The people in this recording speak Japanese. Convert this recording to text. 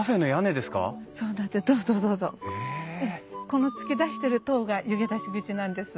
この突き出してる塔が湯気出し口なんです。